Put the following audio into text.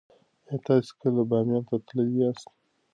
ایا تاسې کله بامیانو ته تللي یاست؟